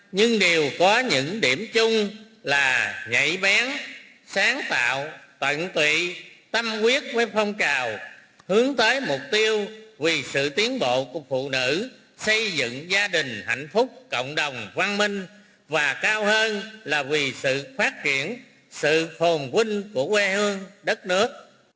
nhưng đều có những điểm chung là nhảy bén sáng tạo tận tụy tâm quyết với phong trào hướng tới mục tiêu vì sự tiến bộ của phụ nữ xây dựng gia đình hạnh phúc cộng đồng văn minh và cao hơn là vì sự phát triển sự phồn vinh của quê hương đất nước